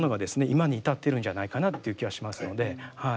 今に至ってるんじゃないかなっていう気はしますのでは